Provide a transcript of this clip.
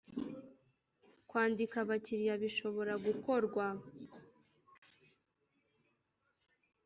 kwandika abakiriya bishobora gukorwa